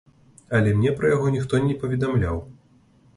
Але мне пра яго ніхто не паведамляў.